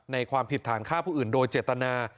ความผิดฐานฆ่าผู้อื่นโดยเจตนา